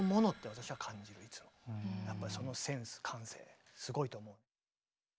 やっぱそのセンス感性すごいと思う。